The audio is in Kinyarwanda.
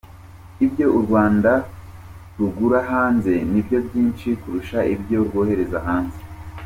Ibyo u Rwanda rugura hanze nibyo byinshi kurusha ibyo rwohereza hanze.